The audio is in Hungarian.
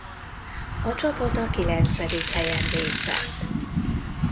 A csapat a kilencedik helyen végzett.